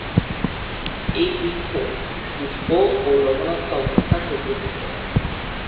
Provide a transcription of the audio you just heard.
এই বৃক্ষ শুষ্ক ও লবণাক্ত অবস্থা সহ্য করতে পারে।